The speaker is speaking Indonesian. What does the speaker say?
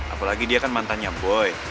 apalagi dia kan mantannya boy